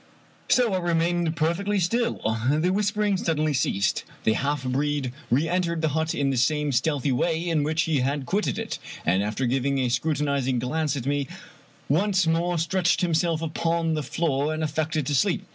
So I remained perfectly still. The whispering suddenly ceased. The half breed reen tered the hut in the same stealthy way in which he had quitted it, and after giving a scrutinizing glance at me, once more stretched himself upon the floor and affected to sleep.